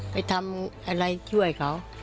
ไปทำอะไรช่วยเขา